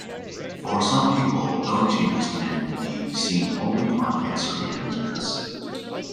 For some people, bone changes can be seen only on X-ray images.